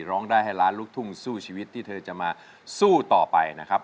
ร้องได้ให้ล้านลูกทุ่งสู้ชีวิตที่เธอจะมาสู้ต่อไปนะครับ